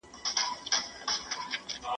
سیاستپوهنه په حقیقت کې د سیاسي علومو تیوري ده.